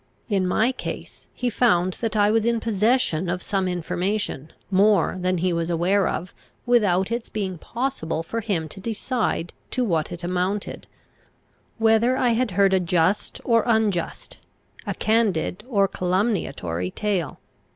In my case he found that I was in possession of some information, more than he was aware of, without its being possible for him to decide to what it amounted, whether I had heard a just or unjust, a candid or calumniatory tale.